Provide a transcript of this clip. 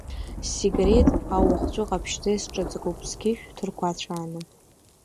Ссигарет ау ахәҵәы ҟаԥшьшьӡа исҿыҵакуп, сқьышә ҭырқәацәааны.